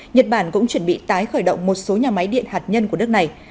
nhật bản cũng chuẩn bị tái khởi động một số nhà máy điện hạt nhân của nước này